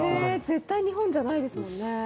絶対、日本じゃないですもんね。